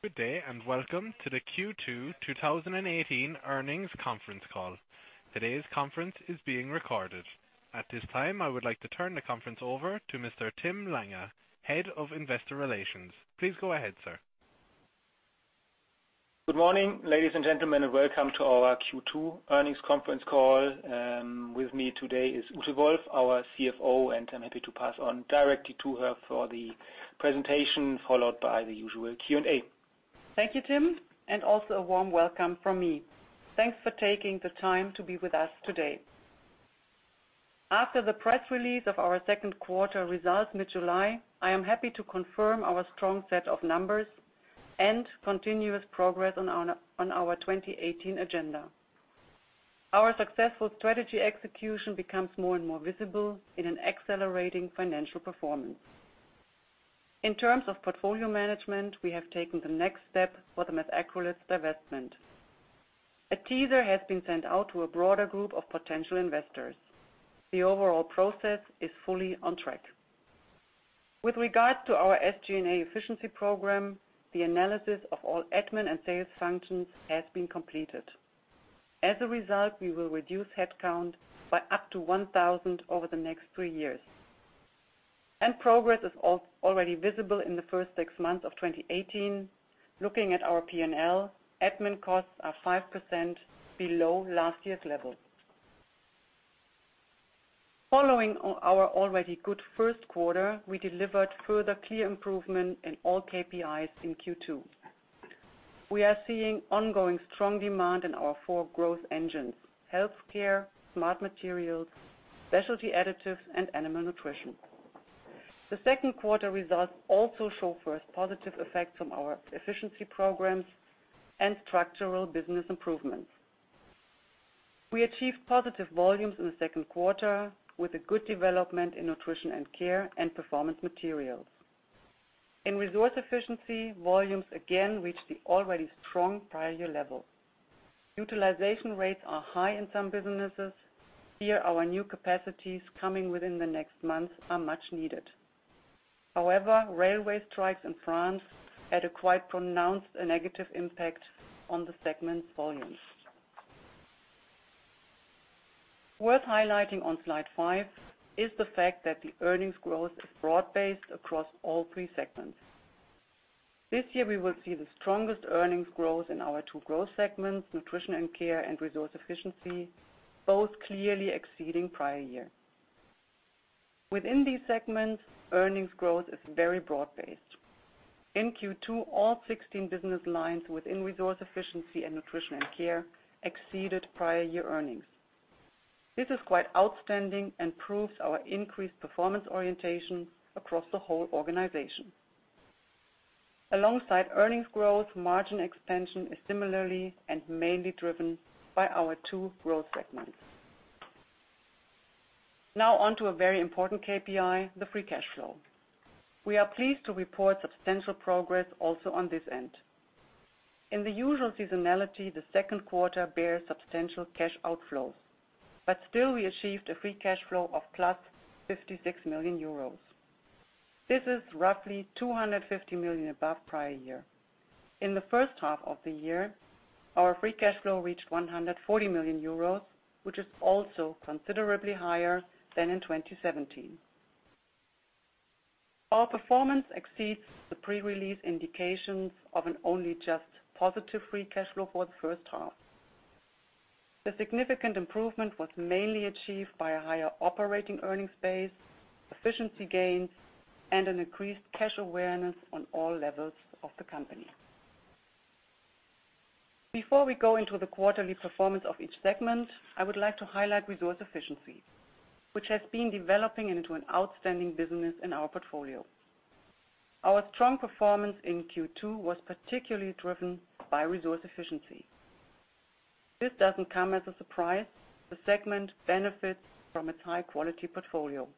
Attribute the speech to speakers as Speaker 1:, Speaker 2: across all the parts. Speaker 1: Good day, welcome to the Q2 2018 earnings conference call. Today's conference is being recorded. At this time, I would like to turn the conference over to Mr. Tim Lange, Head of Investor Relations. Please go ahead, sir.
Speaker 2: Good morning, ladies and gentlemen, welcome to our Q2 earnings conference call. With me today is Ute Wolf, our CFO, I'm happy to pass on directly to her for the presentation, followed by the usual Q&A.
Speaker 3: Thank you, Tim, also a warm welcome from me. Thanks for taking the time to be with us today. After the press release of our second quarter results mid-July, I am happy to confirm our strong set of numbers and continuous progress on our 2018 agenda. Our successful strategy execution becomes more and more visible in an accelerating financial performance. In terms of portfolio management, we have taken the next step for the Methacrylates divestment. A teaser has been sent out to a broader group of potential investors. The overall process is fully on track. With regard to our SG&A efficiency program, the analysis of all admin and sales functions has been completed. As a result, we will reduce headcount by up to 1,000 over the next three years. Progress is already visible in the first six months of 2018. Looking at our P&L, admin costs are 5% below last year's level. Following our already good first quarter, we delivered further clear improvement in all KPIs in Q2. We are seeing ongoing strong demand in our four growth engines: healthcare, Smart Materials, Specialty Additives, and Animal Nutrition. The second quarter results also show first positive effects from our efficiency programs and structural business improvements. We achieved positive volumes in the second quarter with a good development in Nutrition & Care and Performance Materials. In Resource Efficiency, volumes again reached the already strong prior year level. Utilization rates are high in some businesses. Here, our new capacities coming within the next months are much needed. However, railway strikes in France had a quite pronounced negative impact on the segment's volumes. Worth highlighting on slide five is the fact that the earnings growth is broad-based across all three segments. This year, we will see the strongest earnings growth in our two growth segments, Nutrition & Care and Resource Efficiency, both clearly exceeding prior year. Within these segments, earnings growth is very broad-based. In Q2, all 16 business lines within Resource Efficiency and Nutrition & Care exceeded prior year earnings. This is quite outstanding and proves our increased performance orientation across the whole organization. Alongside earnings growth, margin expansion is similarly and mainly driven by our two growth segments. On to a very important KPI, the free cash flow. We are pleased to report substantial progress also on this end. In the usual seasonality, the second quarter bears substantial cash outflows, but still we achieved a free cash flow of plus 56 million euros. This is roughly 250 million above prior year. In the first half of the year, our free cash flow reached 140 million euros, which is also considerably higher than in 2017. Our performance exceeds the pre-release indications of an only just positive free cash flow for the first half. The significant improvement was mainly achieved by a higher operating earnings base, efficiency gains, and an increased cash awareness on all levels of the company. Before we go into the quarterly performance of each segment, I would like to highlight Resource Efficiency, which has been developing into an outstanding business in our portfolio. Our strong performance in Q2 was particularly driven by Resource Efficiency. This doesn't come as a surprise. The segment benefits from its high-quality portfolio.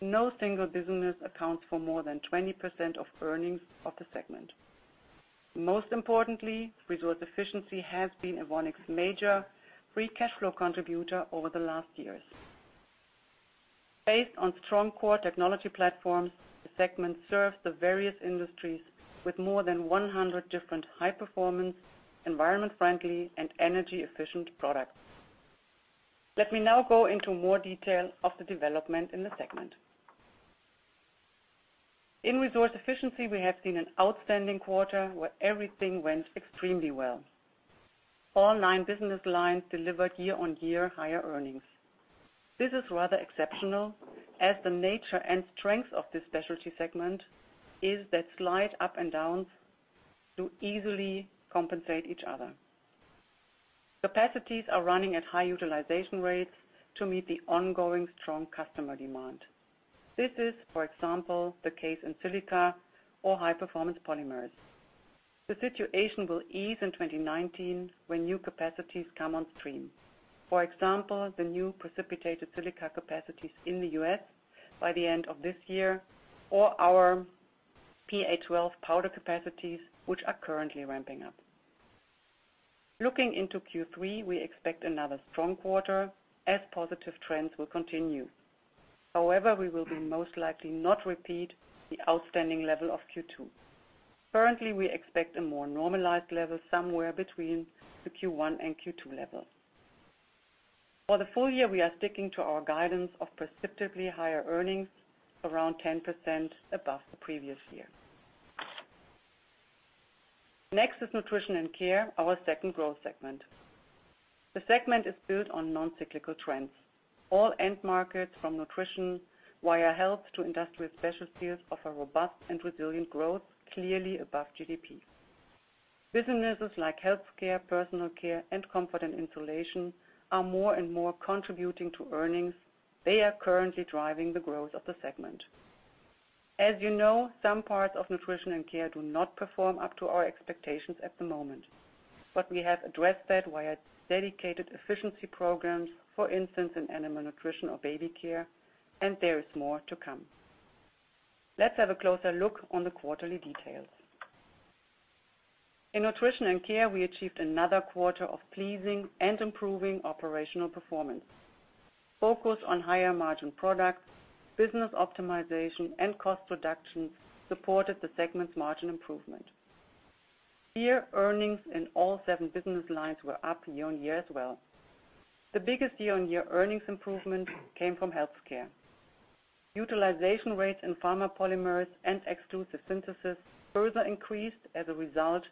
Speaker 3: No single business accounts for more than 20% of earnings of the segment. Most importantly, Resource Efficiency has been Evonik's major free cash flow contributor over the last years. Based on strong core technology platforms, the segment serves the various industries with more than 100 different high-performance, environment-friendly, and energy-efficient products. Let me now go into more detail of the development in the segment. In Resource Efficiency, we have seen an outstanding quarter where everything went extremely well. All nine business lines delivered year-on-year higher earnings. This is rather exceptional, as the nature and strength of this specialty segment is that slight up and downs do easily compensate each other. Capacities are running at high utilization rates to meet the ongoing strong customer demand. This is, for example, the case in silica or High Performance Polymers. The situation will ease in 2019 when new capacities come on stream. For example, the new precipitated silica capacities in the U.S. by the end of this year, or our PA12 powder capacities, which are currently ramping up. Looking into Q3, we expect another strong quarter as positive trends will continue. However, we will be most likely not repeat the outstanding level of Q2. Currently, we expect a more normalized level somewhere between the Q1 and Q2 level. For the full year, we are sticking to our guidance of perceptively higher earnings, around 10% above the previous year. Next is Nutrition & Care, our second growth segment. The segment is built on non-cyclical trends. All end markets from nutrition, via health, to industrial specialities, offer robust and resilient growth clearly above GDP. Businesses like Healthcare, Personal Care, and Comfort & Insulation are more and more contributing to earnings. They are currently driving the growth of the segment. As you know, some parts of Nutrition & Care do not perform up to our expectations at the moment. We have addressed that via dedicated efficiency programs, for instance, in Animal Nutrition or Baby Care, and there is more to come. Let's have a closer look on the quarterly details. In Nutrition & Care, we achieved another quarter of pleasing and improving operational performance. Focus on higher margin products, business optimization, and cost reduction supported the segment's margin improvement. Here, earnings in all seven business lines were up year-on-year as well. The biggest year-on-year earnings improvement came from Healthcare. Utilization rates in Pharma Polymers and Exclusive Synthesis further increased as a result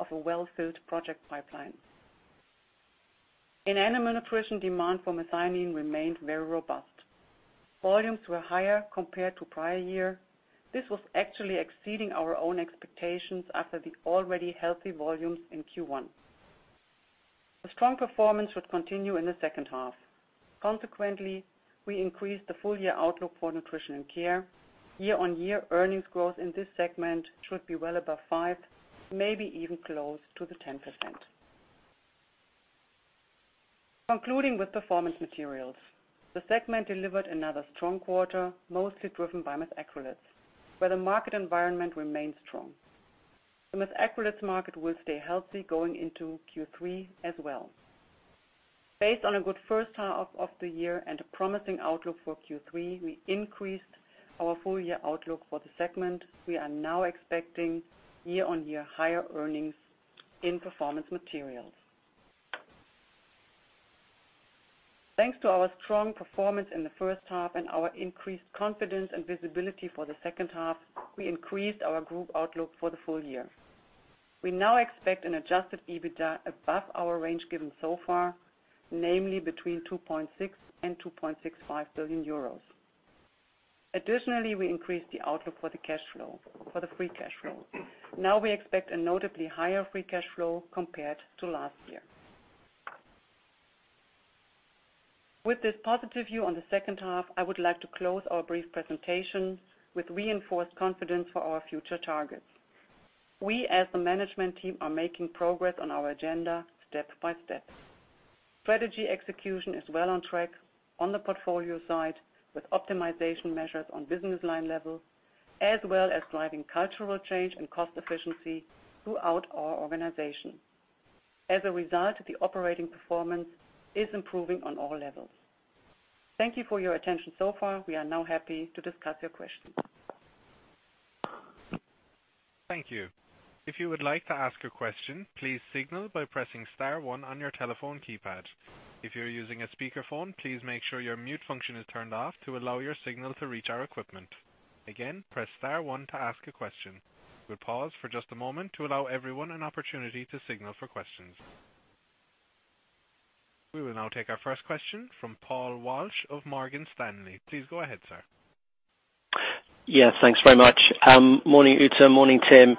Speaker 3: of a well-filled project pipeline. In Animal Nutrition, demand for methionine remained very robust. Volumes were higher compared to prior year. This was actually exceeding our own expectations after the already healthy volumes in Q1. The strong performance should continue in the second half. We increased the full year outlook for Nutrition & Care. Year-on-year earnings growth in this segment should be well above 5%, maybe even close to 10%. Concluding with Performance Materials, the segment delivered another strong quarter, mostly driven by Methacrylates, where the market environment remained strong. The Methacrylates market will stay healthy going into Q3 as well. Based on a good first half of the year and a promising outlook for Q3, we increased our full year outlook for the segment. We are now expecting year-on-year higher earnings in Performance Materials. Thanks to our strong performance in the first half and our increased confidence and visibility for the second half, we increased our group outlook for the full year. We now expect an adjusted EBITDA above our range given so far, namely between 2.6 billion and 2.65 billion euros. We increased the outlook for the free cash flow. We expect a notably higher free cash flow compared to last year. With this positive view on the second half, I would like to close our brief presentation with reinforced confidence for our future targets. We, as the management team, are making progress on our agenda step by step. Strategy execution is well on track on the portfolio side, with optimization measures on business line level, as well as driving cultural change and cost efficiency throughout our organization. As a result, the operating performance is improving on all levels. Thank you for your attention so far. We are now happy to discuss your questions.
Speaker 1: Thank you. If you would like to ask a question, please signal by pressing star one on your telephone keypad. If you're using a speakerphone, please make sure your mute function is turned off to allow your signal to reach our equipment. Again, press star one to ask a question. We will pause for just a moment to allow everyone an opportunity to signal for questions. We will now take our first question from Paul Walsh of Morgan Stanley. Please go ahead, sir.
Speaker 4: Thanks very much. Morning, Ute. Morning, Tim.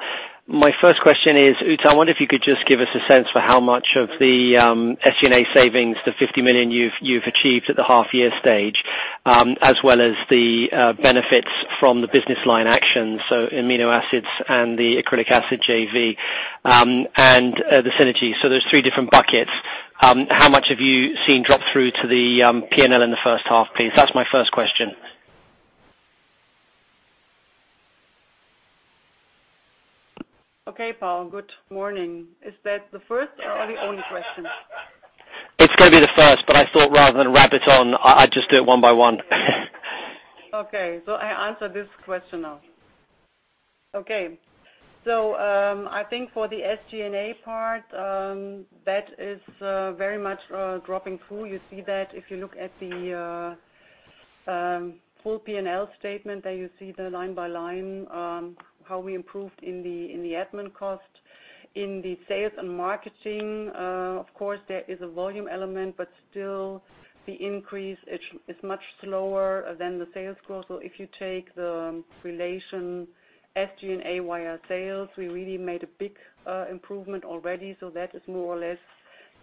Speaker 4: My first question is, Ute, I wonder if you could just give us a sense for how much of the SG&A savings, the 50 million you've achieved at the half year stage, as well as the benefits from the business line actions, amino acids and the acrylic acid JV, and the synergy. There's three different buckets. How much have you seen drop through to the P&L in the first half, please? That's my first question.
Speaker 3: Paul. Good morning. Is that the first or the only question?
Speaker 4: It's going to be the first, I thought rather than rabbit on, I'd just do it one by one.
Speaker 3: I answer this question now. I think for the SG&A part, that is very much dropping through. You see that if you look at the full P&L statement. There you see the line-by-line, how we improved in the admin cost. In the sales and marketing, of course, there is a volume element, still the increase is much slower than the sales growth. If you take the relation SG&A via sales, we really made a big improvement already. That is more or less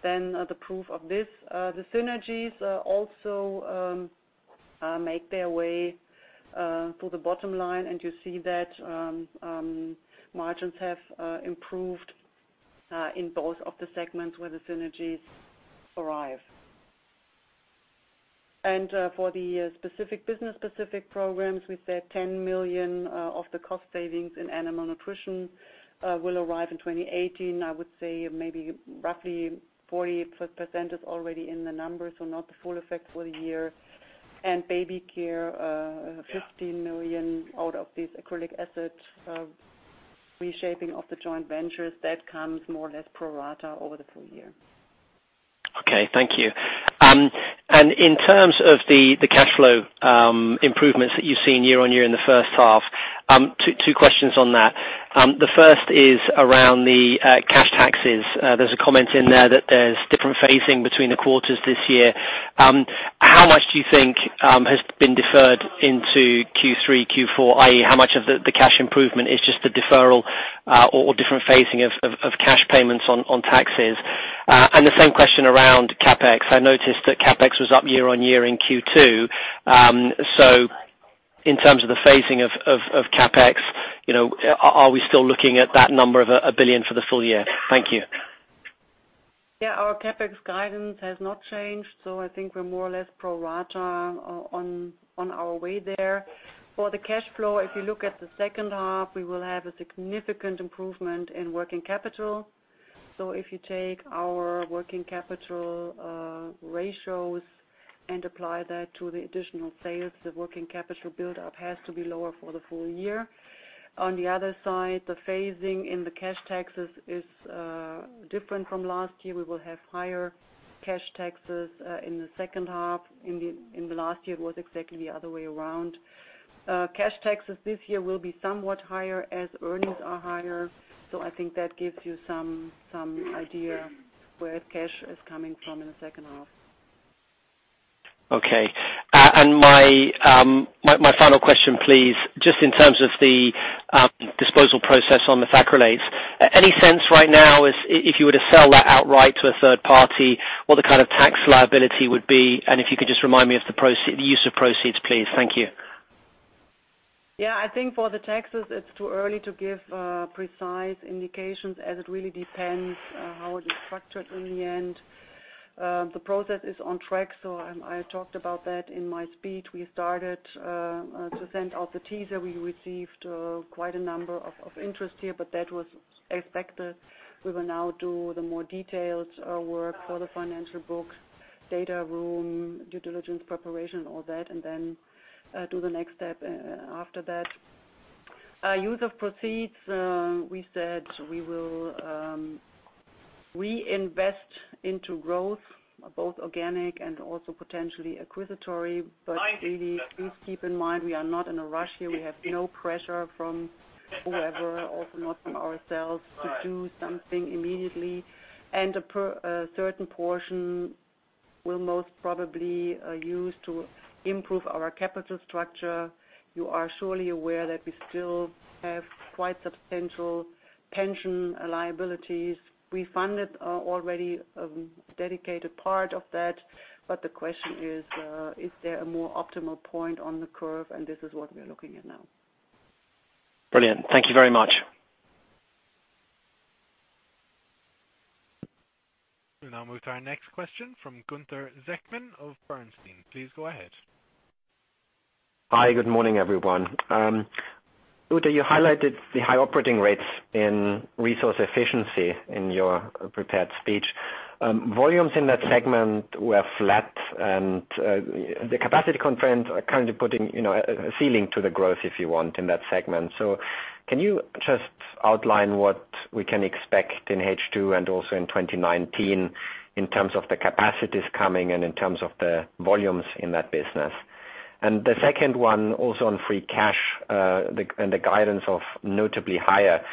Speaker 3: then the proof of this. The synergies also make their way to the bottom line, you see that margins have improved in both of the segments where the synergies arrive. For the business-specific programs, we said 10 million of the cost savings in Animal Nutrition will arrive in 2018. I would say maybe roughly 40% is already in the numbers, so not the full effect for the year. Baby Care, 15 million out of these acrylic acid reshaping of the joint ventures, that comes more or less pro rata over the full year.
Speaker 4: Okay. Thank you. In terms of the cash flow improvements that you've seen year-on-year in the first half, two questions on that. The first is around the cash taxes. There's a comment in there that there's different phasing between the quarters this year. How much do you think has been deferred into Q3, Q4, i.e., how much of the cash improvement is just the deferral or different phasing of cash payments on taxes? The same question around CapEx. I noticed that CapEx was up year-on-year in Q2. In terms of the phasing of CapEx, are we still looking at that number of 1 billion for the full year? Thank you.
Speaker 3: Yeah, our CapEx guidance has not changed, I think we're more or less pro rata on our way there. For the cash flow, if you look at the second half, we will have a significant improvement in working capital. If you take our working capital ratios and apply that to the additional sales, the working capital buildup has to be lower for the full year. On the other side, the phasing in the cash taxes is different from last year. We will have higher cash taxes in the second half. In the last year, it was exactly the other way around. Cash taxes this year will be somewhat higher as earnings are higher. I think that gives you some idea where cash is coming from in the second half.
Speaker 4: Okay. My final question, please. Just in terms of the disposal process on Methacrylates. Any sense right now, if you were to sell that outright to a third party, what the kind of tax liability would be? If you could just remind me of the use of proceeds, please. Thank you.
Speaker 3: Yeah, I think for the taxes, it's too early to give precise indications, as it really depends how it is structured in the end. The process is on track. I talked about that in my speech. We started to send out the teaser. We received quite a number of interest here, but that was expected. We will now do the more detailed work for the financial books, data room, due diligence preparation, all that, and then do the next step after that. Use of proceeds, we said we will reinvest into growth, both organic and also potentially acquisitory. Really, please keep in mind, we are not in a rush here. We have no pressure from whoever, also not from ourselves, to do something immediately. A certain portion we'll most probably use to improve our capital structure. You are surely aware that we still have quite substantial pension liabilities. We funded already a dedicated part of that. The question is: Is there a more optimal point on the curve? This is what're looking at now.
Speaker 4: Brilliant. Thank you very much.
Speaker 1: We'll now move to our next question from Gunther Zechmann of Bernstein. Please go ahead.
Speaker 5: Hi, good morning, everyone. Ute, you highlighted the high operating rates in Resource Efficiency in your prepared speech. Volumes in that segment were flat and the capacity constraints are currently putting a ceiling to the growth, if you want, in that segment. Can you just outline what we can expect in H2 and also in 2019 in terms of the capacities coming and in terms of the volumes in that business? The second one, also on free cash and the guidance of notably higher,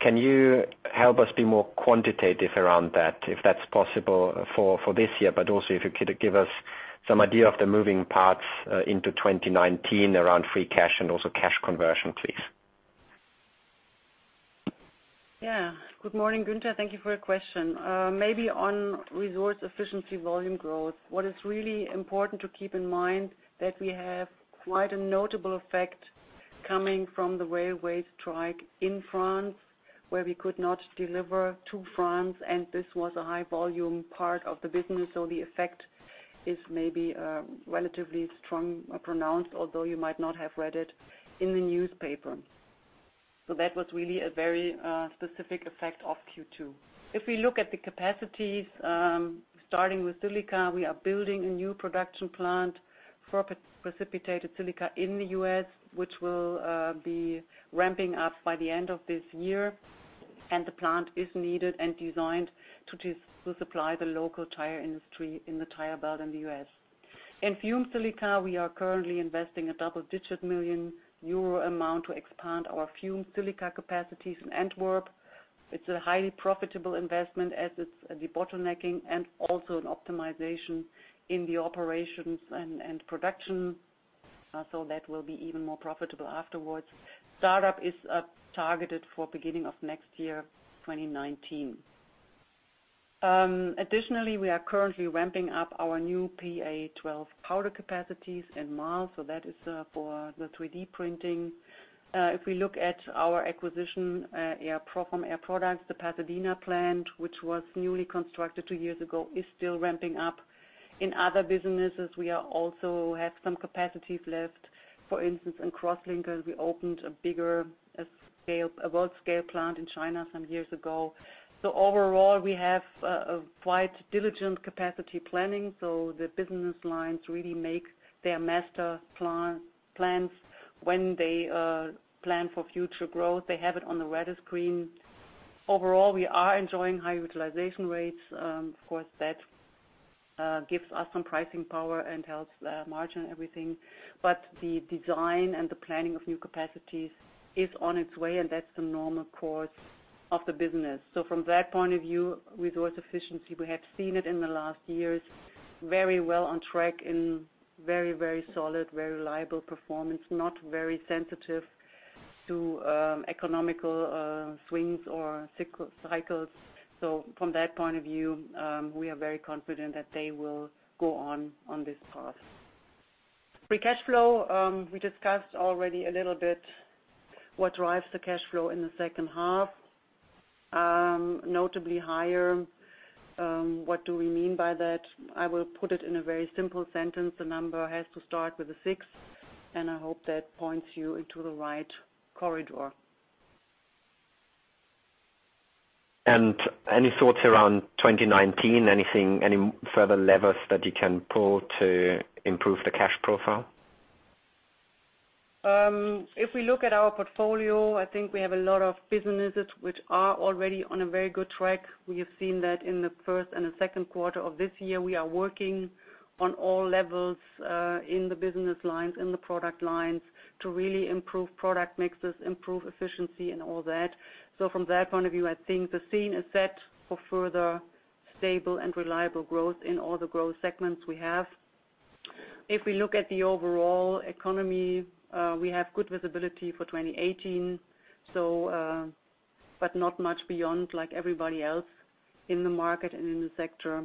Speaker 5: can you help us be more quantitative around that, if that's possible for this year, but also if you could give us some idea of the moving parts into 2019 around free cash and also cash conversion, please.
Speaker 3: Good morning, Gunther. Thank you for your question. Maybe on Resource Efficiency volume growth. What is really important to keep in mind that we have quite a notable effect coming from the railway strike in France, where we could not deliver to France, and this was a high volume part of the business. The effect is maybe relatively strong or pronounced, although you might not have read it in the newspaper. That was really a very specific effect of Q2. If we look at the capacities, starting with silica, we are building a new production plant for precipitated silica in the U.S., which will be ramping up by the end of this year, and the plant is needed and designed to supply the local tire industry in the Tire Belt in the U.S. In fumed silica, we are currently investing a double-digit million EUR amount to expand our fumed silica capacities in Antwerp. It's a highly profitable investment as it's debottlenecking and also an optimization in the operations and production. That will be even more profitable afterwards. Startup is targeted for beginning of next year, 2019. Additionally, we are currently ramping up our new PA12 powder capacities in Marl, that is for the 3D printing. If we look at our acquisition from Air Products, the Pasadena plant, which was newly constructed two years ago, is still ramping up. In other businesses, we also have some capacities left. For instance, in Crosslinkers, we opened a bigger, a world-scale plant in China some years ago. Overall, we have a quite diligent capacity planning. The business lines really make their master plans when they plan for future growth. They have it on the radar screen. Overall, we are enjoying high utilization rates. Of course, that gives us some pricing power and helps the margin and everything. The design and the planning of new capacities is on its way, and that's the normal course of the business. From that point of view, Resource Efficiency, we have seen it in the last years, very well on track in very solid, very reliable performance. Not very sensitive to economical swings or cycles. From that point of view, we are very confident that they will go on this path. Free cash flow, we discussed already a little bit what drives the cash flow in the second half. Notably higher. What do we mean by that? I will put it in a very simple sentence. The number has to start with a six, I hope that points you into the right corridor.
Speaker 5: Any thoughts around 2019? Any further levers that you can pull to improve the cash profile?
Speaker 3: If we look at our portfolio, I think we have a lot of businesses which are already on a very good track. We have seen that in the first and the second quarter of this year. We are working on all levels in the business lines, in the product lines to really improve product mixes, improve efficiency, and all that. From that point of view, I think the scene is set for further stable and reliable growth in all the growth segments we have. If we look at the overall economy, we have good visibility for 2018, but not much beyond, like everybody else in the market and in the sector.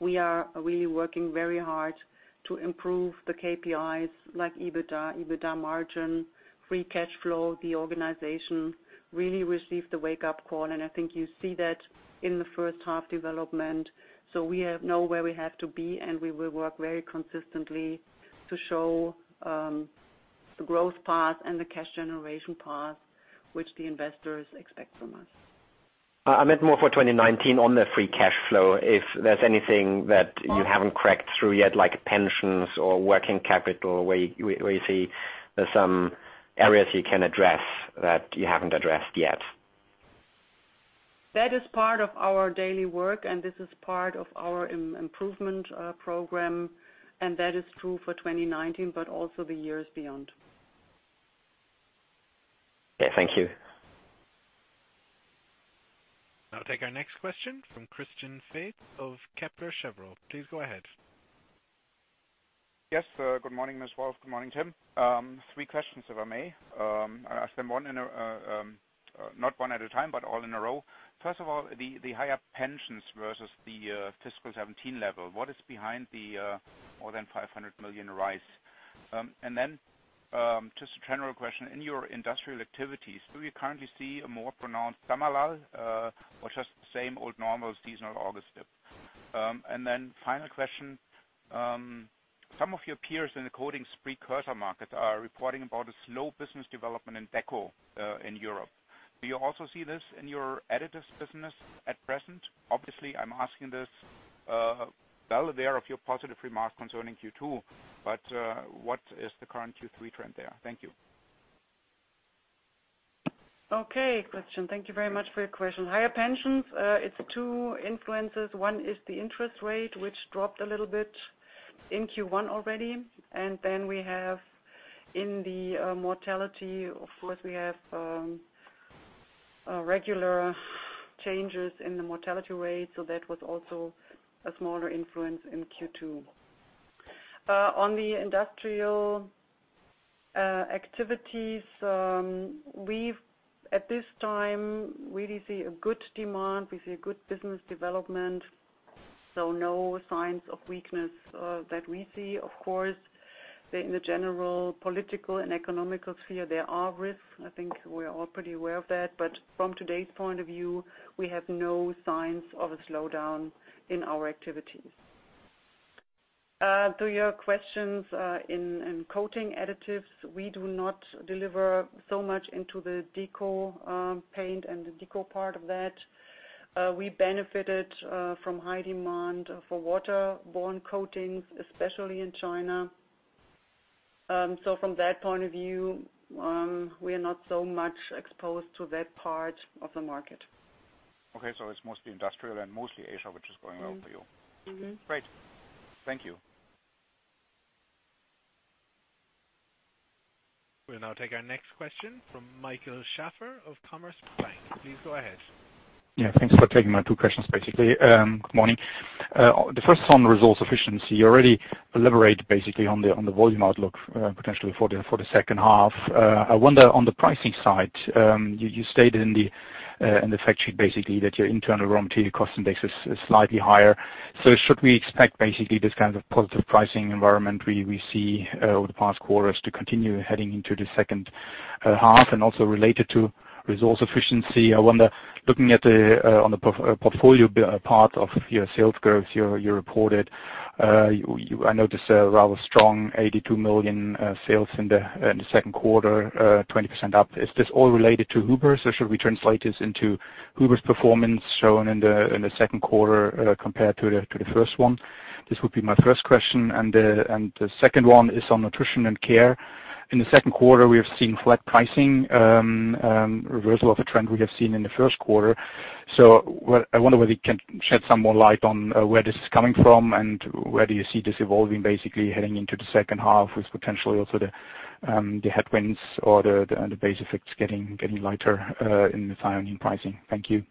Speaker 3: We are really working very hard to improve the KPIs like EBITDA margin, free cash flow. The organization really received a wake-up call, I think you see that in the first half development. We know where we have to be, we will work very consistently to show the growth path and the cash generation path which the investors expect from us.
Speaker 5: I meant more for 2019 on the free cash flow. If there's anything that you haven't cracked through yet, like pensions or working capital, where you see there's some areas you can address that you haven't addressed yet.
Speaker 3: That is part of our daily work. This is part of our improvement program. That is true for 2019, but also the years beyond.
Speaker 5: Okay. Thank you.
Speaker 1: I'll take our next question from Christian Faitz of Kepler Cheuvreux. Please go ahead.
Speaker 6: Good morning, Ms. Wolf. Good morning, Tim. Three questions, if I may. I'll ask them not one at a time, but all in a row. First of all, the higher pensions versus the fiscal 2017 level. What is behind the more than 500 million rise? Just a general question. In your industrial activities, do you currently see a more pronounced summer lull or just the same old normal seasonal August dip? Final question. Some of your peers in the coatings precursor market are reporting about a slow business development in deco in Europe. Do you also see this in your additives business at present? Obviously, I'm asking this, [there are few] positive remark concerning Q2, but what is the current Q3 trend there? Thank you.
Speaker 3: Okay, Christian. Thank you very much for your question. Higher pensions, it's two influences. One is the interest rate, which dropped a little bit in Q1 already, and then we have in the mortality. Of course, we have regular changes in the mortality rate. That was also a smaller influence in Q2. On the industrial activities, we've, at this time, really see a good demand. We see a good business development, no signs of weakness that we see. Of course, in the general political and economical sphere, there are risks. I think we're all pretty aware of that. From today's point of view, we have no signs of a slowdown in our activities. To your questions in Coating Additives, we do not deliver so much into the deco paint and the deco part of that. We benefited from high demand for waterborne coatings, especially in China. From that point of view, we are not so much exposed to that part of the market.
Speaker 6: Okay, it's mostly industrial and mostly Asia, which is going well for you. Great. Thank you.
Speaker 1: We'll now take our next question from Michael Schäfer of Commerzbank. Please go ahead.
Speaker 7: Thanks for taking my two questions, basically. Good morning. The first on Resource Efficiency. You already elaborated basically on the volume outlook potentially for the second half. I wonder on the pricing side, you stated in the factsheet basically that your internal raw material cost index is slightly higher. Should we expect basically this kind of positive pricing environment we see over the past quarters to continue heading into the second half? Also related to Resource Efficiency, I wonder, looking at on the portfolio part of your sales growth you reported, I noticed a rather strong 82 million sales in the second quarter, 20% up. Is this all related to Huber, should we translate this into Huber's performance shown in the second quarter compared to the first one? This would be my first question, and the second one is on Nutrition & Care. In the second quarter, we have seen flat pricing, reversal of a trend we have seen in the first quarter. I wonder whether you can shed some more light on where this is coming from and where do you see this evolving basically heading into the second half with potentially also the headwinds or the base effects getting lighter in methionine pricing. Thank you.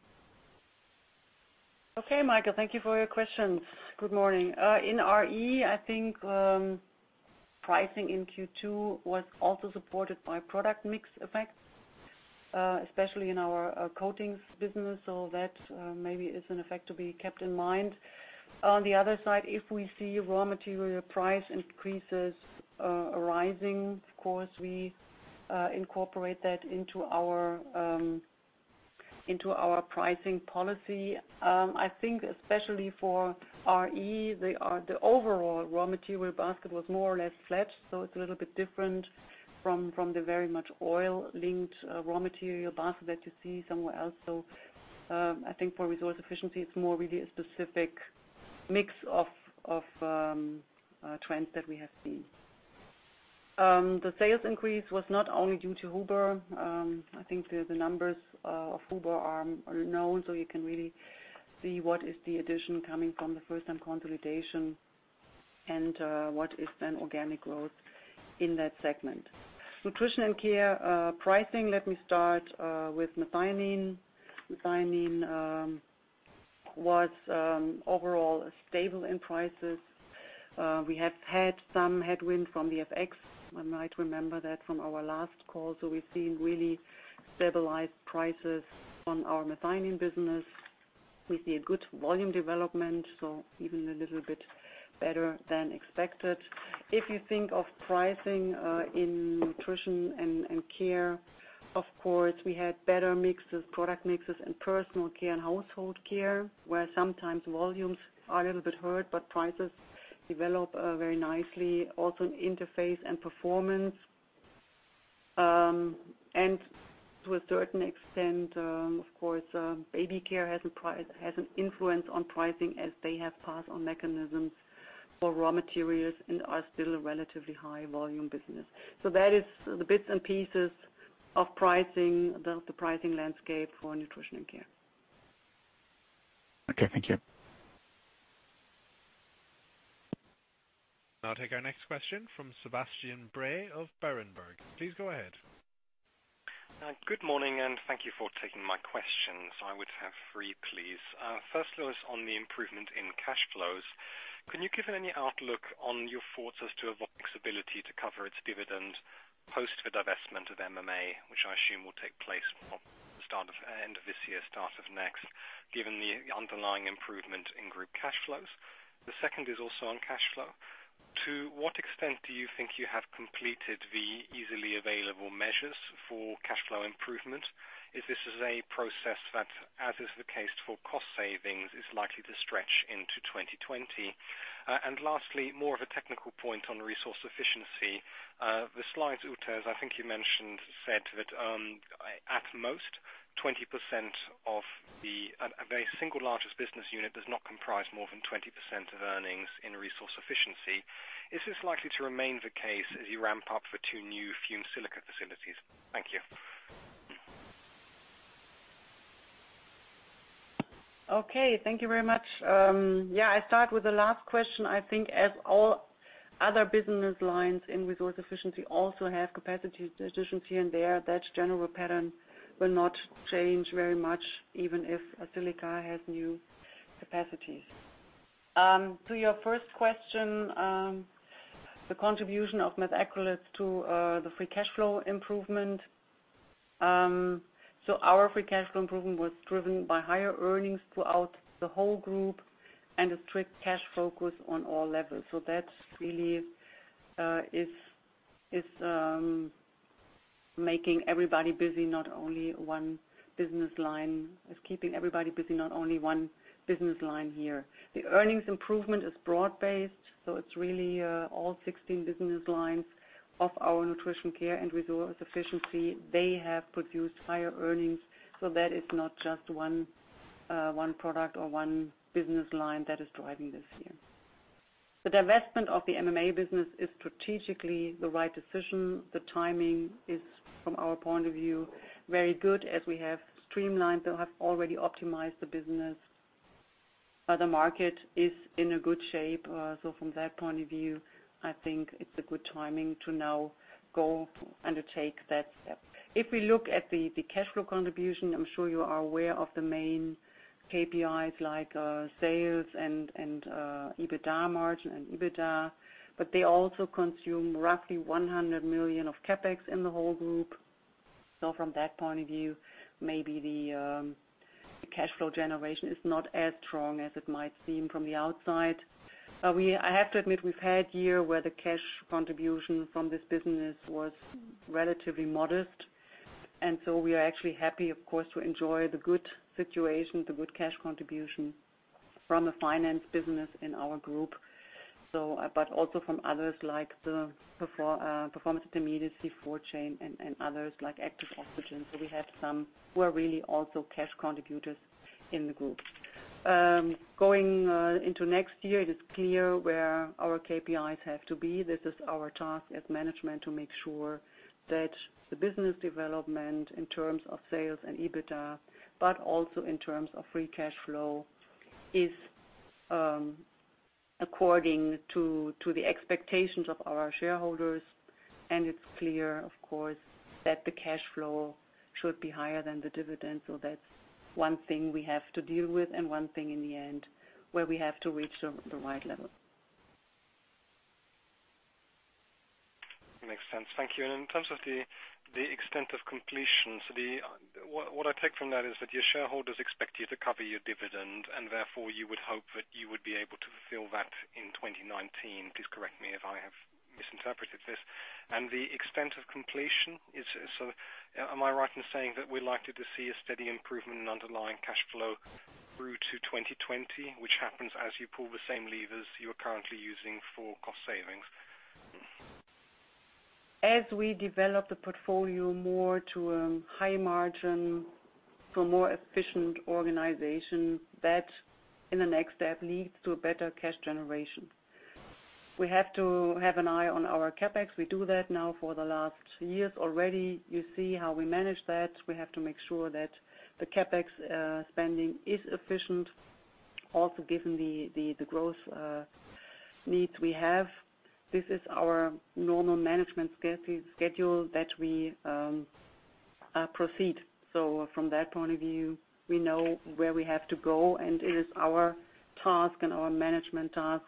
Speaker 3: Okay, Michael, thank you for your questions. Good morning. In RE, I think, pricing in Q2 was also supported by product mix effects, especially in our coatings business. That maybe is an effect to be kept in mind. On the other side, if we see raw material price increases arising, of course, we incorporate that into our pricing policy. I think especially for RE, the overall raw material basket was more or less flat. It's a little bit different from the very much oil-linked raw material basket that you see somewhere else. I think for Resource Efficiency, it's more really a specific mix of trends that we have seen. The sales increase was not only due to Huber. I think the numbers of Huber are known, you can really see what is the addition coming from the first-time consolidation and what is then organic growth in that segment. Nutrition & Care pricing, let me start with methionine. Methionine was overall stable in prices. We have had some headwind from the FX. One might remember that from our last call. We've seen really stabilized prices on our methionine business. We see a good volume development, even a little bit better than expected. If you think of pricing in Nutrition & Care, of course, we had better mixes, product mixes in Personal Care and Household Care, where sometimes volumes are a little bit hurt, but prices develop very nicely. Also in Interface & Performance. To a certain extent, of course, Baby Care has an influence on pricing as they have pass-on mechanisms for raw materials and are still a relatively high volume business. That is the bits and pieces of the pricing landscape for Nutrition & Care.
Speaker 7: Okay, thank you.
Speaker 1: I'll take our next question from Sebastian Bray of Berenberg. Please go ahead.
Speaker 8: Good morning. Thank you for taking my questions. I would have three, please. First, though, is on the improvement in cash flows. Can you give any outlook on your thoughts as to Evonik's ability to cover its dividend post the divestment of MMA, which I assume will take place end of this year, start of next, given the underlying improvement in group cash flows. The second is also on cash flow. To what extent do you think you have completed the easily available measures for cash flow improvement? Is this a process that, as is the case for cost savings, is likely to stretch into 2020? Lastly, more of a technical point on Resource Efficiency. The slides, Ute, as I think you mentioned, said that the single largest business unit does not comprise more than 20% of earnings in Resource Efficiency. Is this likely to remain the case as you ramp up for two new fumed silica facilities? Thank you.
Speaker 3: Okay, thank you very much. I start with the last question. I think as all other business lines in Resource Efficiency also have capacity decisions here and there, that general pattern will not change very much even if silica has new capacities. To your first question, the contribution of Methacrylates to the free cash flow improvement. Our free cash flow improvement was driven by higher earnings throughout the whole group and a strict cash focus on all levels. That really is making everybody busy, not only one business line. It's keeping everybody busy, not only one business line here. The earnings improvement is broad based, it's really all 16 business lines of our Nutrition & Care and Resource Efficiency. They have produced higher earnings. That is not just one product or one business line that is driving this here. The divestment of the MMA business is strategically the right decision. The timing is, from our point of view, very good as we have streamlined or have already optimized the business. The market is in a good shape. From that point of view, I think it's a good timing to now go undertake that step. If we look at the cash flow contribution, I'm sure you are aware of the main KPIs like sales and EBITDA margin and EBITDA, but they also consume roughly 100 million of CapEx in the whole group. From that point of view, maybe the cash flow generation is not as strong as it might seem from the outside. I have to admit, we've had a year where the cash contribution from this business was relatively modest, and we are actually happy, of course, to enjoy the good situation, the good cash contribution from a finance business in our group. But also from others like the Performance Intermediates, C4 Chain, and others like Active Oxygens. We have some who are really also cash contributors in the group. Going into next year, it is clear where our KPIs have to be. This is our task as management to make sure that the business development in terms of sales and EBITDA, but also in terms of free cash flow is according to the expectations of our shareholders. It's clear, of course, that the cash flow should be higher than the dividend. That's one thing we have to deal with and one thing in the end where we have to reach the right level.
Speaker 8: Makes sense. Thank you. In terms of the extent of completions, what I take from that is that your shareholders expect you to cover your dividend, and therefore, you would hope that you would be able to fulfill that in 2019. Please correct me if I have misinterpreted this. The extent of completion, am I right in saying that we're likely to see a steady improvement in underlying cash flow through to 2020, which happens as you pull the same levers you are currently using for cost savings?
Speaker 3: As we develop the portfolio more to a high margin for more efficient organization, that, in the next step, leads to a better cash generation. We have to have an eye on our CapEx. We do that now for the last years already. You see how we manage that. We have to make sure that the CapEx spending is efficient, also given the growth needs we have. This is our normal management schedule that we proceed. From that point of view, we know where we have to go, and it is our task and our management task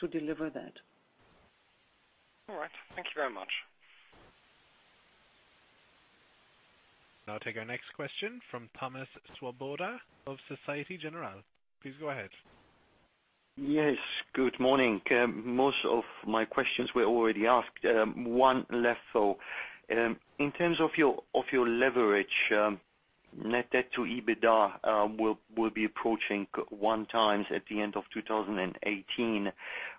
Speaker 3: to deliver that.
Speaker 8: All right. Thank you very much.
Speaker 1: I'll take our next question from Thomas Swoboda of Societe Generale. Please go ahead.
Speaker 9: Yes, good morning. Most of my questions were already asked. One left, though. In terms of your leverage, net debt to EBITDA will be approaching one times at the end of 2018.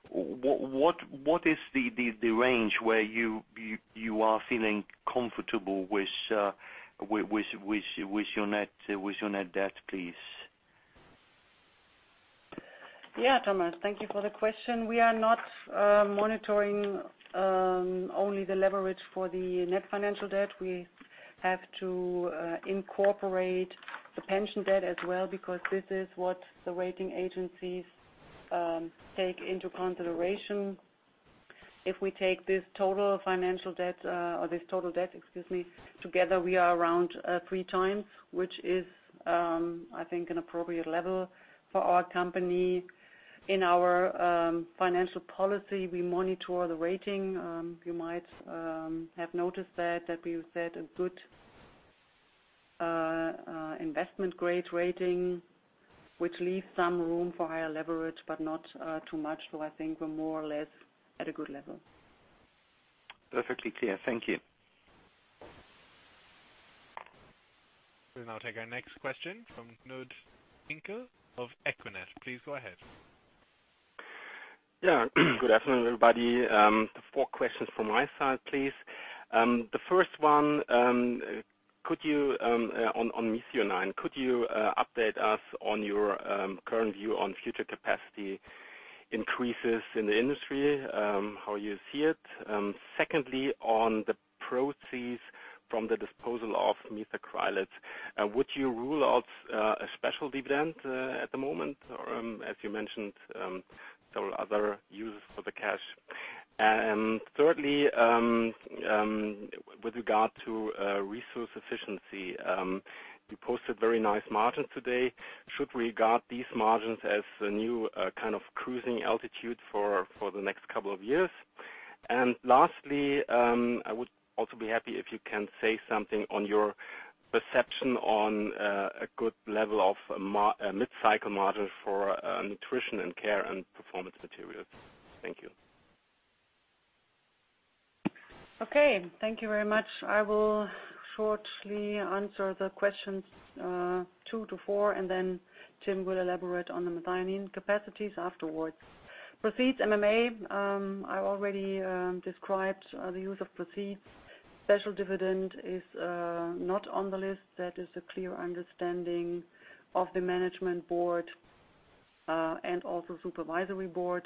Speaker 9: What is the range where you are feeling comfortable with your net debt, please?
Speaker 3: Thomas, thank you for the question. We are not monitoring only the leverage for the net financial debt. We have to incorporate the pension debt as well because this is what the rating agencies take into consideration. If we take this total financial debt, or this total debt, excuse me, together, we are around 3 times, which is, I think, an appropriate level for our company. In our financial policy, we monitor the rating. You might have noticed that we've set a good investment grade rating, which leaves some room for higher leverage, but not too much. I think we're more or less at a good level.
Speaker 9: Perfectly clear. Thank you.
Speaker 1: We'll now take our next question from Knud Zinck of Equinet. Please go ahead.
Speaker 10: Good afternoon, everybody. four questions from my side, please. The first one, on methionine, could you update us on your current view on future capacity increases in the industry, how you see it? Secondly, on the proceeds from the disposal of Methacrylates, would you rule out a special dividend at the moment, or as you mentioned, several other uses for the cash. Thirdly, with regard to Resource Efficiency, you posted very nice margins today. Should we regard these margins as a new kind of cruising altitude for the next couple of years? Lastly, I would also be happy if you can say something on your perception on a good level of mid-cycle margin for Nutrition & Care and Performance Materials. Thank you.
Speaker 3: Okay. Thank you very much. I will shortly answer the questions two to four, then Tim will elaborate on the methionine capacities afterwards. Proceeds MMA, I already described the use of proceeds. Special dividend is not on the list. That is a clear understanding of the management board and also supervisory board.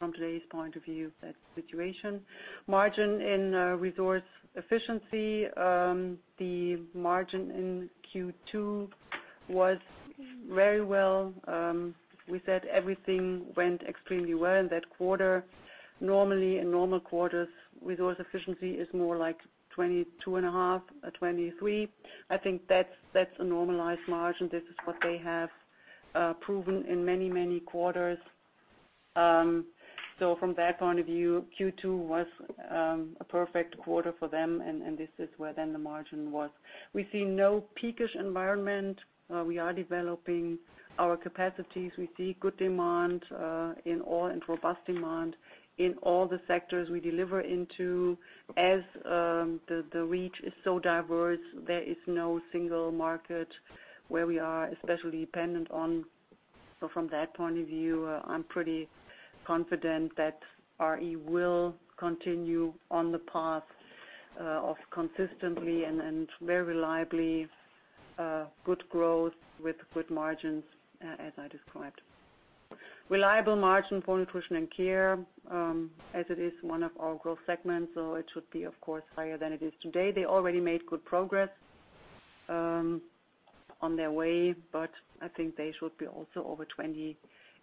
Speaker 3: From today's point of view, that situation. Margin in Resource Efficiency. The margin in Q2 was very well. We said everything went extremely well in that quarter. Normally, in normal quarters, Resource Efficiency is more like 22.5%, 23%. I think that's a normalized margin. This is what they have proven in many, many quarters. From that point of view, Q2 was a perfect quarter for them, and this is where the margin was. We see no peak-ish environment. We are developing our capacities. We see good demand and robust demand in all the sectors we deliver into. As the reach is so diverse, there is no single market where we are especially dependent on. From that point of view, I'm pretty confident that RE will continue on the path of consistently and very reliably good growth with good margins, as I described. Reliable margin for Nutrition & Care, as it is one of our growth segments, so it should be, of course, higher than it is today. They already made good progress on their way, but I think they should be also over 20%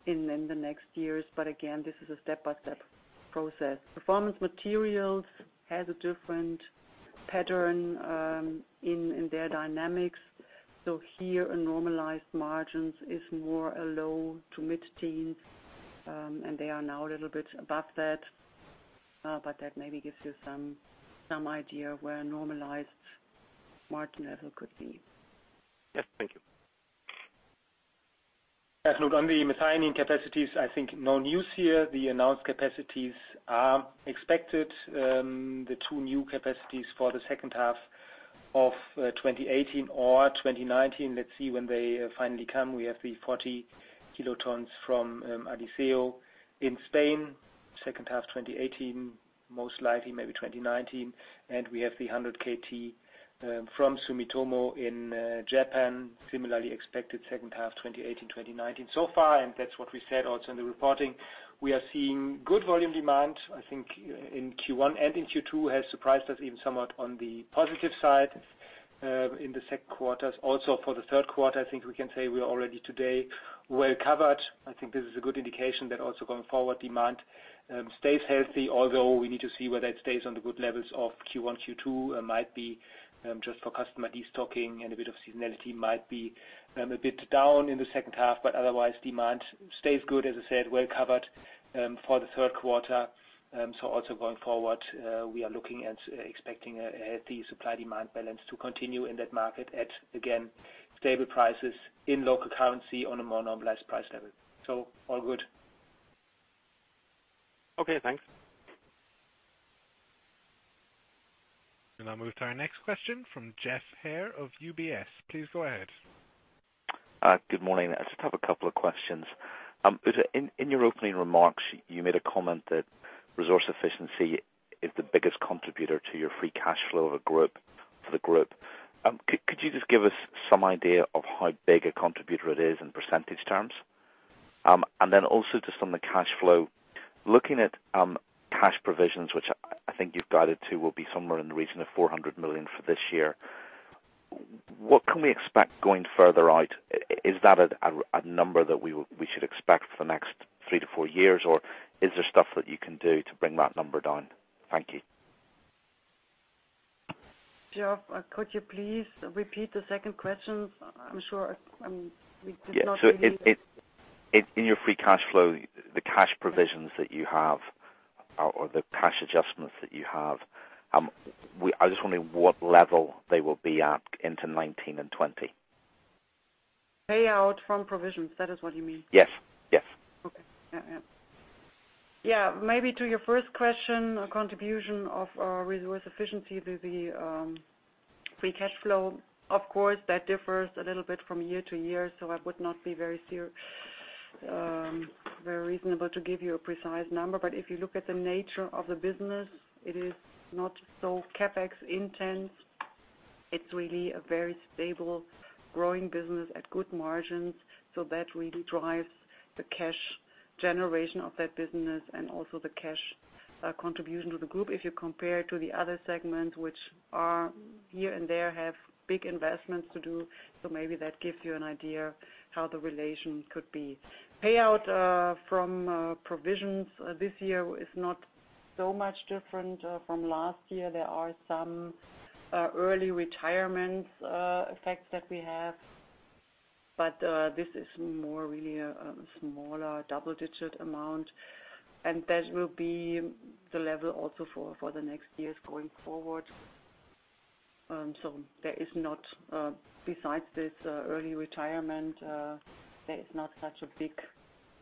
Speaker 3: in the next years. Again, this is a step-by-step process. Performance Materials has a different pattern in their dynamics. Here, a normalized margins is more a low to mid-teens, and they are now a little bit above that. That maybe gives you some idea where normalized margin level could be.
Speaker 10: Yes. Thank you.
Speaker 2: As not on the methionine capacities, I think no news here. The announced capacities are expected. The two new capacities for the second half of 2018 or 2019. Let's see when they finally come. We have the 40 kilotons from Adisseo in Spain, second half 2018, most likely, maybe 2019. We have the 100 KT from Sumitomo in Japan, similarly expected second half 2018, 2019. So far, and that's what we said also in the reporting, we are seeing good volume demand, I think in Q1 and in Q2 has surprised us even somewhat on the positive side in the second quarters. Also for the third quarter, I think we can say we are already today well covered. I think this is a good indication that also going forward, demand stays healthy, although we need to see whether it stays on the good levels of Q1, Q2. Might be just for customer destocking and a bit of seasonality, might be a bit down in the second half, but otherwise, demand stays good, as I said, well covered for the third quarter. Also going forward, we are looking at expecting a healthy supply/demand balance to continue in that market at, again, stable prices in local currency on a more normalized price level. All good.
Speaker 10: Okay, thanks.
Speaker 1: We'll now move to our next question from Geoff Haire of UBS. Please go ahead.
Speaker 11: Good morning. I just have a couple of questions. Ute, in your opening remarks, you made a comment that Resource Efficiency is the biggest contributor to your free cash flow for the group. Could you just give us some idea of how big a contributor it is in % terms? Also just on the cash flow, looking at cash provisions, which I think you've guided to will be somewhere in the region of 400 million for this year. What can we expect going further out? Is that a number that we should expect for the next 3-4 years, or is there stuff that you can do to bring that number down? Thank you.
Speaker 3: Geoff, could you please repeat the second question? I'm sure we did not really-
Speaker 11: Yeah. In your free cash flow, the cash provisions that you have or the cash adjustments that you have, I just wonder what level they will be at into 2019 and 2020.
Speaker 3: Payout from provisions, that is what you mean?
Speaker 11: Yes.
Speaker 3: Okay. Yeah. Maybe to your first question, a contribution of our Resource Efficiency to the free cash flow, of course, that differs a little bit from year to year, I would not be very reasonable to give you a precise number. If you look at the nature of the business, it is not so CapEx intense. It's really a very stable growing business at good margins. That really drives the cash generation of that business and also the cash contribution to the group. If you compare to the other segments, which are here and there have big investments to do. Maybe that gives you an idea how the relation could be. Payout from provisions this year is not so much different from last year. There are some early retirement effects that we have, this is more really a smaller double-digit amount, and that will be the level also for the next years going forward. There is not, besides this early retirement, there is not such a big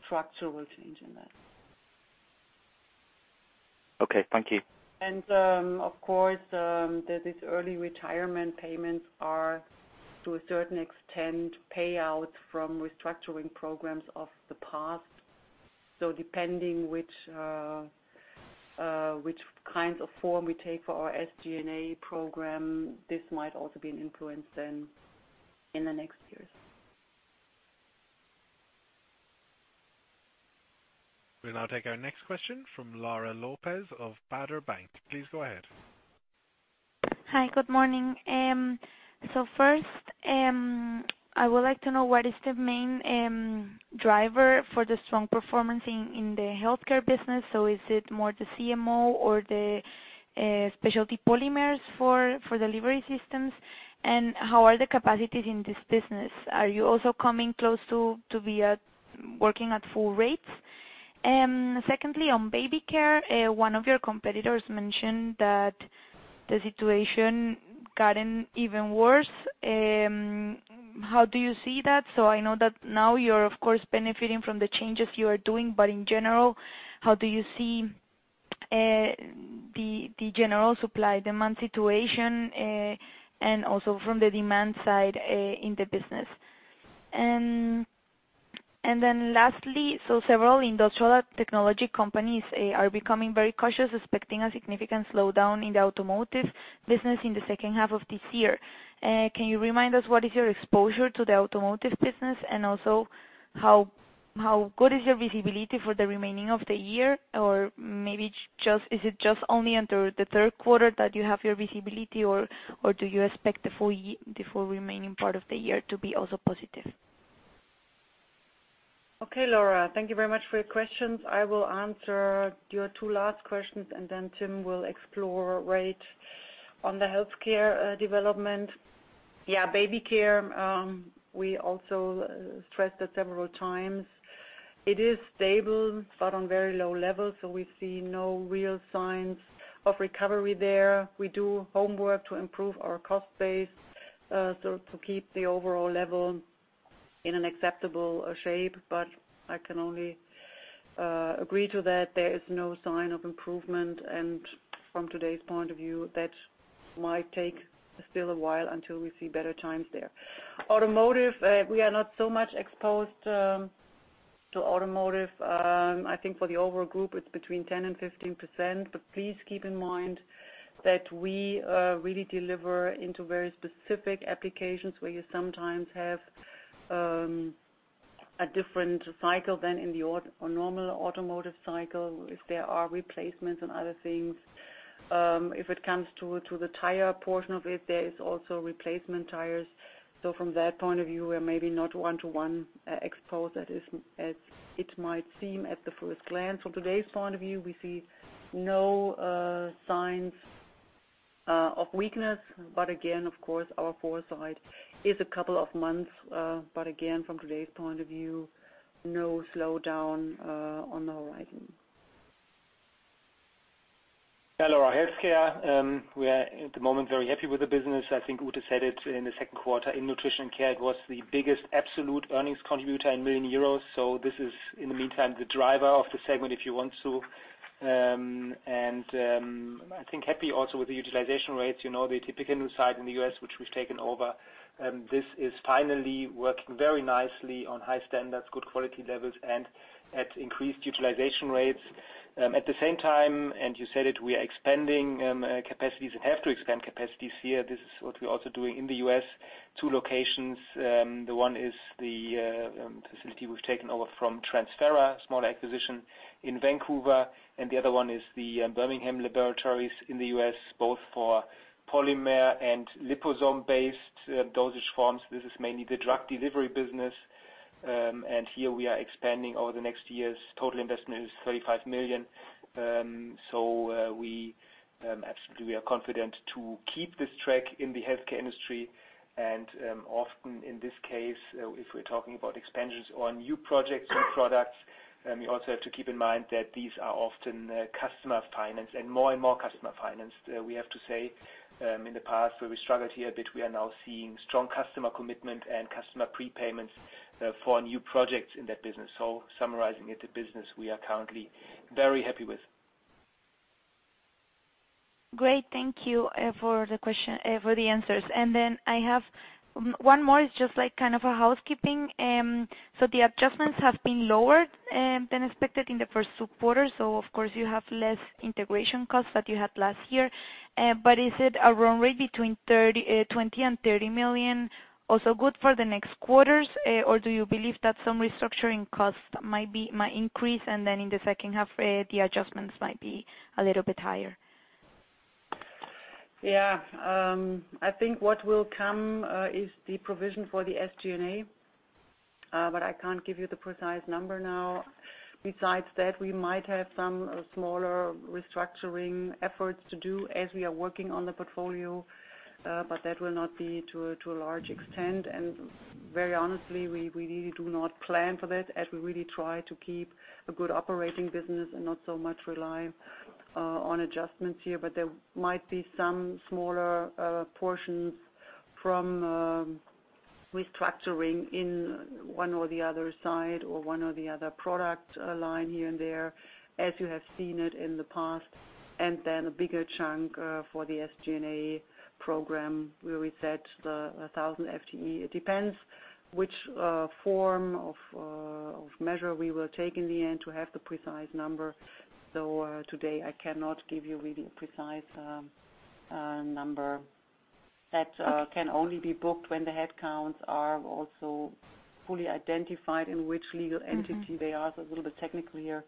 Speaker 3: structural change in that.
Speaker 11: Okay. Thank you.
Speaker 3: Of course, these early retirement payments are, to a certain extent, payouts from restructuring programs of the past. Depending which kinds of form we take for our SG&A program, this might also be an influence then in the next years.
Speaker 1: We'll now take our next question from Laura López of Baader Bank. Please go ahead.
Speaker 12: Hi, good morning. First, I would like to know what is the main driver for the strong performance in the Healthcare business. Is it more the CMO or the specialty polymers for delivery systems? How are the capacities in this business? Are you also coming close to be working at full rates? Secondly, on Baby Care, one of your competitors mentioned that the situation gotten even worse. How do you see that? I know that now you're, of course, benefiting from the changes you are doing, but in general, how do you see the general supply/demand situation, and also from the demand side in the business? Lastly, several industrial technology companies are becoming very cautious, expecting a significant slowdown in the automotive business in the second half of this year. Can you remind us what is your exposure to the automotive business? Also how good is your visibility for the remaining of the year? Or maybe is it just only until the third quarter that you have your visibility, or do you expect the full remaining part of the year to be also positive?
Speaker 3: Okay, Laura, thank you very much for your questions. I will answer your two last questions and then Tim will elaborate on the Healthcare development. Baby Care, we also stressed that several times. It is stable, but on very low levels. We see no real signs of recovery there. We do homework to improve our cost base, to keep the overall level in an acceptable shape. I can only agree to that, there is no sign of improvement, and from today's point of view, that might take still a while until we see better times there. Automotive, we are not so much exposed to automotive. I think for the overall group, it's between 10%-15%. Please keep in mind that we really deliver into very specific applications where you sometimes have a different cycle than in the normal automotive cycle, if there are replacements and other things. If it comes to the tire portion of it, there is also replacement tires. From that point of view, we are maybe not one-to-one exposed as it might seem at the first glance. From today's point of view, we see no signs of weakness. Again, of course, our foresight is a couple of months. Again, from today's point of view, no slowdown on the horizon.
Speaker 2: Yeah, Laura, healthcare, we are at the moment very happy with the business. I think Ute said it in the second quarter in Nutrition & Care, it was the biggest absolute earnings contributor in million EUR. This is, in the meantime, the driver of the segment, if you want so. I think happy also with the utilization rates. The typical new site in the U.S., which we've taken over, this is finally working very nicely on high standards, good quality levels, and at increased utilization rates. At the same time, and you said it, we are expanding capacities and have to expand capacities here. This is what we're also doing in the U.S., two locations. The one is the facility we've taken over from Transferra, small acquisition in Vancouver, and the other one is the Birmingham Laboratories in the U.S., both for polymer and liposome-based dosage forms. This is mainly the drug delivery business. Here we are expanding over the next years. Total investment is 35 million. Absolutely, we are confident to keep this track in the healthcare industry. Often in this case, if we're talking about expansions or new projects, new products, we also have to keep in mind that these are often customer financed and more and more customer financed. We have to say, in the past, where we struggled here a bit, we are now seeing strong customer commitment and customer prepayments for new projects in that business. Summarizing it, the business we are currently very happy with.
Speaker 12: Great. Thank you for the answers. Then I have one more. It's just like kind of a housekeeping. The adjustments have been lowered than expected in the first two quarters. Of course you have less integration costs that you had last year, but is it a run rate between 20 million and 30 million also good for the next quarters? Do you believe that some restructuring costs might increase and then in the second half, the adjustments might be a little bit higher?
Speaker 3: I think what will come is the provision for the SG&A, I can't give you the precise number now. Besides that, we might have some smaller restructuring efforts to do as we are working on the portfolio, that will not be to a large extent. Very honestly, we really do not plan for that as we really try to keep a good operating business and not so much rely on adjustments here. There might be some smaller portions from restructuring in one or the other side or one or the other product line here and there, as you have seen it in the past. Then a bigger chunk for the SG&A program, where we said 1,000 FTE. It depends which form of measure we will take in the end to have the precise number. Today I cannot give you a really precise number that can only be booked when the headcounts are also fully identified in which legal entity they are. A little bit technical here.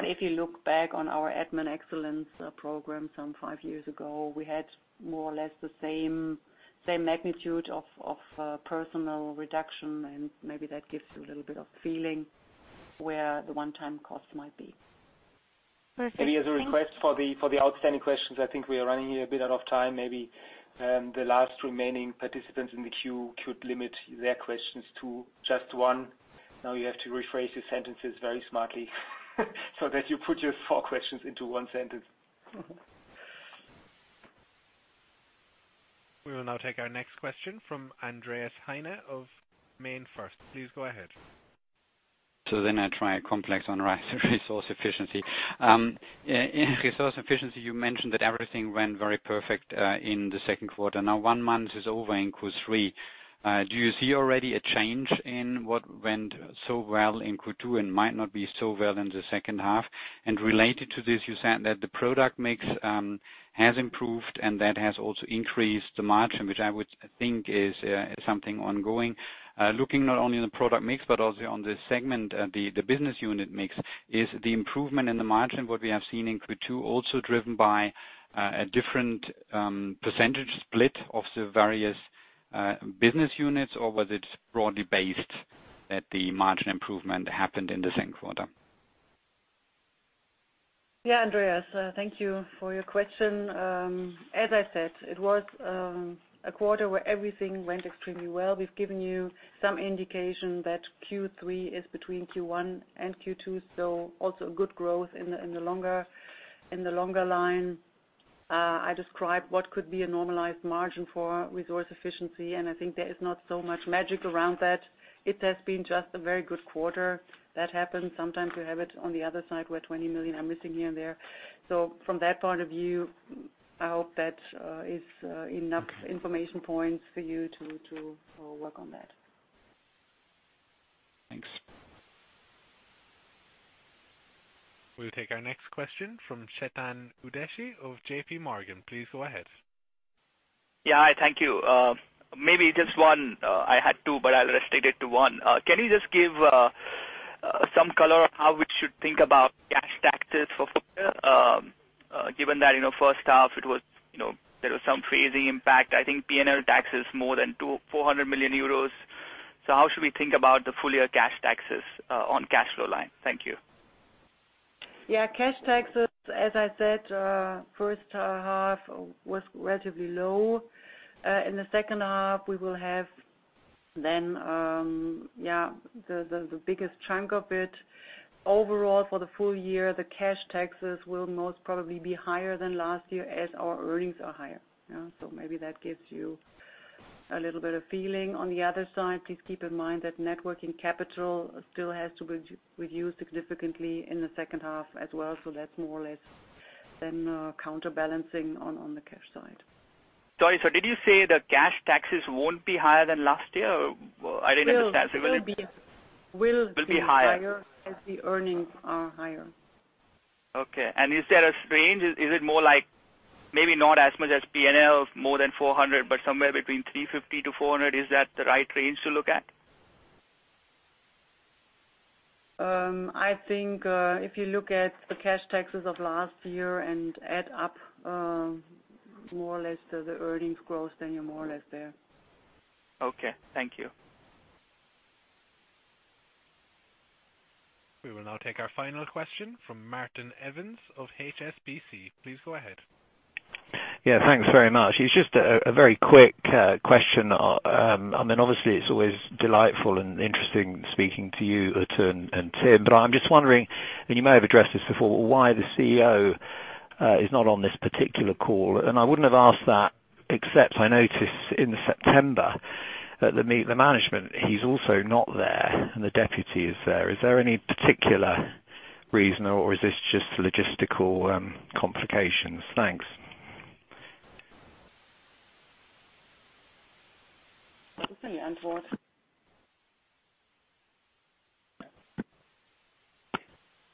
Speaker 3: If you look back on our Administration Excellence program some five years ago, we had more or less the same magnitude of personal reduction, and maybe that gives you a little bit of feeling where the one-time cost might be.
Speaker 2: Maybe as a request for the outstanding questions, I think we are running a bit out of time. Maybe the last remaining participants in the queue could limit their questions to just one. You have to rephrase your sentences very smartly so that you put your four questions into one sentence.
Speaker 1: We will now take our next question from Andreas Heine of MainFirst. Please go ahead.
Speaker 13: I try a complex on Resource Efficiency. In Resource Efficiency, you mentioned that everything went very perfect in the second quarter. Now one month is over in Q3. Do you see already a change in what went so well in Q2 and might not be so well in the second half? Related to this, you said that the product mix has improved and that has also increased the margin, which I would think is something ongoing. Looking not only on the product mix but also on the segment, the business unit mix, is the improvement in the margin, what we have seen in Q2, also driven by a different percentage split of the various business units, or was it broadly based that the margin improvement happened in the second quarter?
Speaker 3: Andreas, thank you for your question. As I said, it was a quarter where everything went extremely well. We've given you some indication that Q3 is between Q1 and Q2, also good growth in the longer line. I described what could be a normalized margin for Resource Efficiency, and I think there is not so much magic around that. It has been just a very good quarter that happened. Sometimes we have it on the other side, where 20 million are missing here and there. From that point of view, I hope that is enough information points for you to work on that.
Speaker 13: Thanks.
Speaker 1: We'll take our next question from Chetan Udeshi of JPMorgan. Please go ahead.
Speaker 14: Thank you. Maybe just one. I had two, but I'll restrict it to one. Can you just give some color on how we should think about cash taxes for full year, given that in the first half there was some phasing impact? I think P&L tax is more than 400 million euros. How should we think about the full-year cash taxes on cash flow line? Thank you.
Speaker 3: Yeah, cash taxes, as I said, first half were relatively low. In the second half, we will have then the biggest chunk of it. Overall, for the full year, the cash taxes will most probably be higher than last year as our earnings are higher. Maybe that gives you a little bit of feeling. On the other side, please keep in mind that net working capital still has to be reduced significantly in the second half as well, so that's more or less then counterbalancing on the cash side.
Speaker 14: Sorry, did you say that cash taxes won't be higher than last year? I didn't understand.
Speaker 3: Will be.
Speaker 14: Will be higher.
Speaker 3: Will be higher as the earnings are higher.
Speaker 14: Okay. Is there a range? Is it more like maybe not as much as P&L of more than 400, but somewhere between 350-400? Is that the right range to look at?
Speaker 3: I think if you look at the cash taxes of last year and add up more or less the earnings growth, then you're more or less there.
Speaker 14: Okay. Thank you.
Speaker 1: We will now take our final question from Martin Evans of HSBC. Please go ahead.
Speaker 15: Yeah, thanks very much. It's just a very quick question. Obviously, it's always delightful and interesting speaking to you, Ute and Tim, I'm just wondering, you may have addressed this before, why the CEO is not on this particular call. I wouldn't have asked that, except I noticed in September at the Meet the Management, he's also not there, the deputy is there. Is there any particular reason, or is this just logistical complications? Thanks.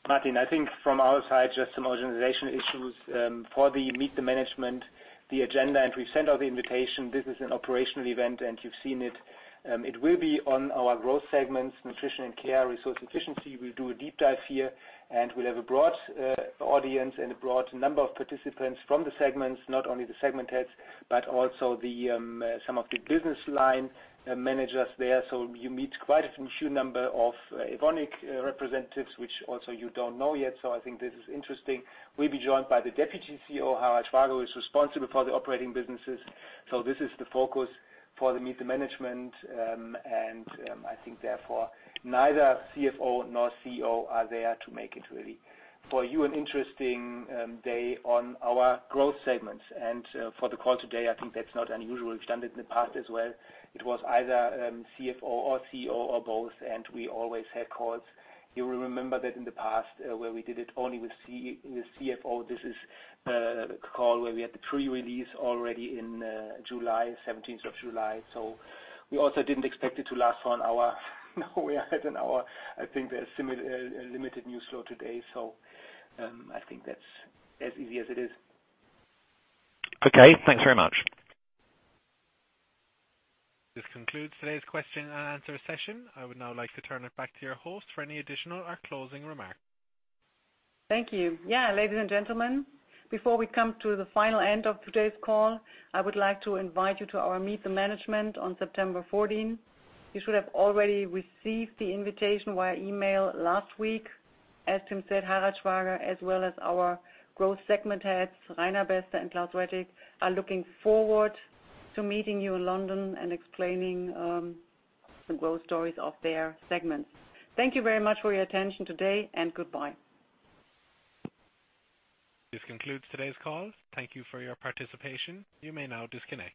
Speaker 2: Martin, I think from our side, just some organizational issues. For the Meet the Management, the agenda, we've sent out the invitation. This is an operational event, you've seen it. It will be on our growth segments, Nutrition & Care, Resource Efficiency. We'll do a deep dive here, we'll have a broad audience and a broad number of participants from the segments, not only the segment heads but also some of the business line managers there. You meet quite a few number of Evonik representatives, which also you don't know yet. I think this is interesting. We'll be joined by the deputy CEO, Harald Schwager, who is responsible for the operating businesses. This is the focus for the Meet the Management, I think therefore neither CFO nor CEO are there to make it really for you an interesting day on our growth segments. For the call today, I think that's not unusual. We've done it in the past as well. It was either CFO or CEO or both, we always had calls. You will remember that in the past where we did it only with CFO. This is the call where we had the pre-release already in July, 17th of July. We also didn't expect it to last for an hour. Now we are at an hour. I think there's limited news flow today, I think that's as easy as it is.
Speaker 15: Okay. Thanks very much.
Speaker 1: This concludes today's question and answer session. I would now like to turn it back to your host for any additional or closing remarks.
Speaker 3: Thank you. Yeah, ladies and gentlemen, before we come to the final end of today's call, I would like to invite you to our Meet the Management on September 14. You should have already received the invitation via email last week. As Tim said, Harald Schwager, as well as our growth segment heads, Reiner Beste and Claus Rettig, are looking forward to meeting you in London and explaining the growth stories of their segments. Thank you very much for your attention today, and goodbye.
Speaker 1: This concludes today's call. Thank you for your participation. You may now disconnect.